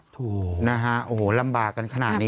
ถูกนะฮะโอ้โหลำบากกันขนาดนี้